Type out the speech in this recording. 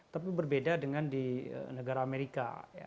tapi berbeda dengan di negara amerika